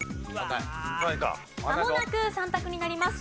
まもなく３択になります。